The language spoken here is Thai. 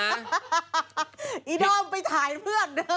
ไอ้น้องไอ้น้องไปถ่ายเพื่อน